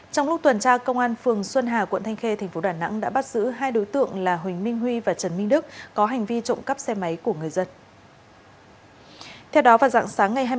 trong lúc tuần tra công an phường xuân hà quận thanh khê tp đà nẵng đã bắt giữ hai đối tượng là huỳnh minh huy và trần minh đức có hành vi trộm cắp xe máy của người dân